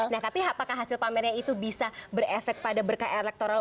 nah tapi apakah hasil pamernya itu bisa berefek pada berkah elektoral